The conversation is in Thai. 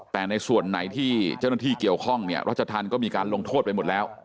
แต่ในส่วนไหนที่เจ้าหน้าที่เกี่ยวข้องเนี่ยรัชธรรมก็มีการลงโทษไปหมดแล้ว